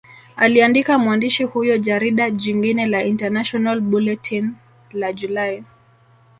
Aliandika mwandishi huyo Jarida jingine la International Bulletin la Julai